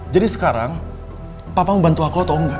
jadi sekarang papamu bantu aku atau enggak